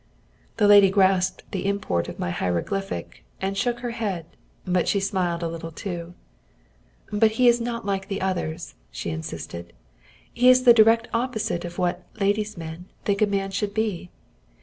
The lady grasped the import of my hieroglyphic and shook her head, but she smiled a little too. "But he is not like the others," she insisted; "he is the direct opposite of what ladies' men think a man should be.